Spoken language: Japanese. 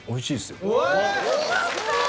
よかった！